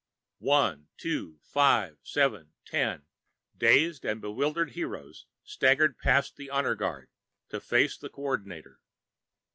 One, two, five, seven, ten dazed and bewildered "heroes" staggered past the honor guard, to face the Co ordinator.